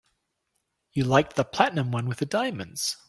You liked the platinum one with the diamonds.